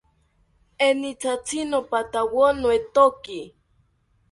Enitatzi nopathawo noetoki